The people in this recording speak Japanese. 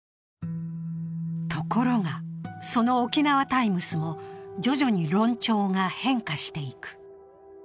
ところが、その「沖縄タイムス」も徐々に論調が変化していく。